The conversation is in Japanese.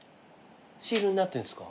シールになってんすか？